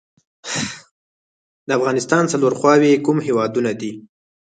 د افغانستان څلور خواوې کوم هیوادونه دي؟